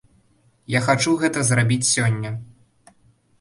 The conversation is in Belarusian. Я хачу гэта зрабіць сёння.